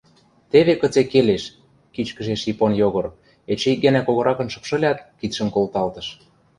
— Теве кыце келеш!.. — кичкӹжеш Ипон Йогор, эче ик гӓнӓ когоракын шыпшылят, кидшӹм колталтыш.